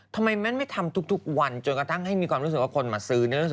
ทำไมแม่นไม่ทำทุกวันจนกระทั่งให้มีความรู้สึกว่าคนมาซื้อ